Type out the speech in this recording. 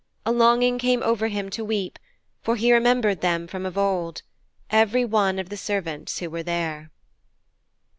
A longing came over him to weep, for he remembered them from of old every one of the servants who were there.